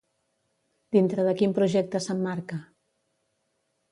Dintre de quin projecte s'emmarca?